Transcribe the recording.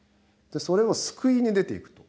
それを救いに出ていくと。